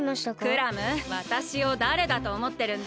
クラムわたしをだれだとおもってるんだ？